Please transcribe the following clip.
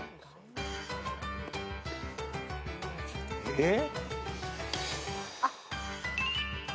えっ？